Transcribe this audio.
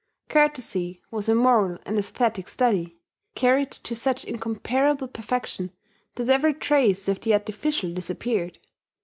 Courtesy was a moral and aesthetic study, carried to such incomparable perfection that every trace of the artificial disappeared.